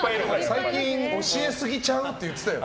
最近、教えすぎちゃう？って言ってたよ。